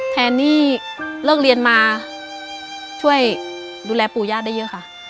แทนที่เลิกเรียนมาช่วยดูแลปู่ย่าได้เยอะค่ะ